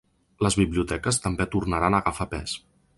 Les biblioteques també tornaran a agafar pes.